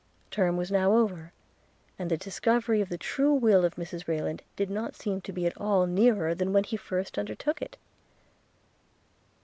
– Term was now over, and the discovery of the true will of Mrs Rayland did not seem to be at all nearer than when he first undertook it.